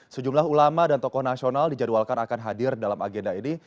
sejumlah ulama dan tokoh nasional dijadwalkan akan hadir dalam agenda ini